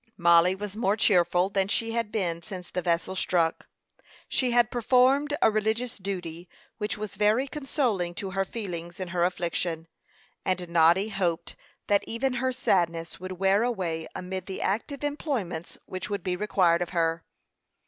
Mollie was more cheerful than she had been since the vessel struck. She had performed a religious duty, which was very consoling to her feelings in her affliction; and Noddy hoped that even her sadness would wear away amid the active employments which would be required of her.